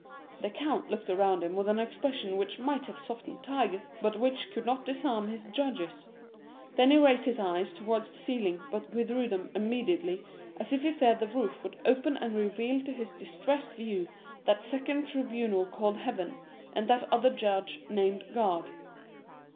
The count looked around him with an expression which might have softened tigers, but which could not disarm his judges. Then he raised his eyes towards the ceiling, but withdrew then, immediately, as if he feared the roof would open and reveal to his distressed view that second tribunal called heaven, and that other judge named God.